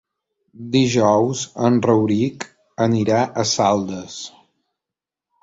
Dijous en Rauric anirà a Saldes.